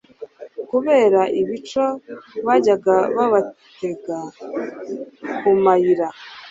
kubera ibico bajyaga babatega ku mayira